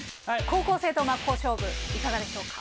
高校生と真っ向勝負いかがでしょうか？